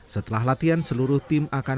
setelah latihan seluruh tim akan